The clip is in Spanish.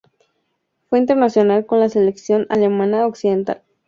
Fue internacional con la selección alemana occidental.